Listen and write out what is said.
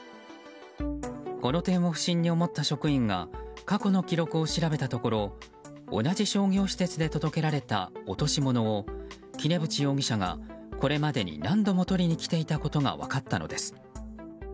この点を不審に思った職員が過去の記録を調べたところ同じ商業施設で届けられた落とし物を杵渕容疑者がこれまでに何度も取りに来ていたことが分かったのです。